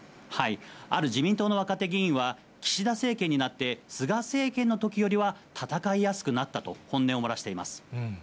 ある自民党の若手議員は、岸田政権になって、菅政権のときよりは戦いやすくなったと本音を漏らしています。